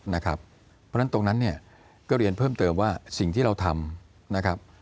เพราะฉะนั้นตรงนั้นเนี่ยก็เรียนเพิ่มเติมว่าสิ่งที่เราทำนะครับ